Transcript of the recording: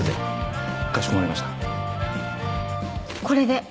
これで。